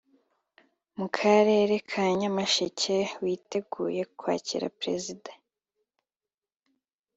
mu karere ka Nyamasheke witeguye kwakira Perezida